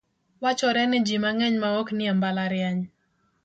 Wachore ni ji mang'eny ma ok nie mbalariany.